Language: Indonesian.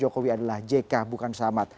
jokowi adalah jk bukan samad